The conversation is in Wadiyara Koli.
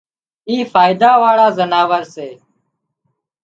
اي فائيڌا واۯان زناور سي